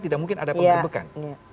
tidak mungkin ada penggerbekan